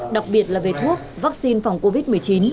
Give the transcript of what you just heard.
đặc biệt là về thuốc vaccine phòng covid một mươi chín